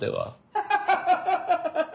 ハハハハハハ！